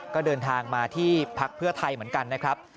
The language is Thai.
ก็เดินทางมาที่พักเพื่อไทยเหมือนกันนะครับ